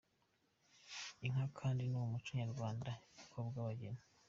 Inka kandi mu muco nyarwanda ikobwa abageni.